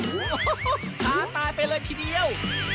โอ้โหท้าตายไปเลยทีเดียว